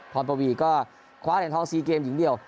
พรปวีก็คว้าแห่งท้อง๔เกมหญิงเดียว